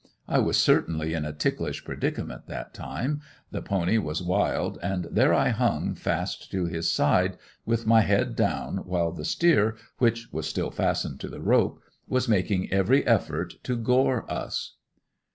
I was certainly in a ticklish predicament that time; the pony was wild and there I hung fast to his side with my head down while the steer, which was still fastened to the rope, was making every effort to gore us.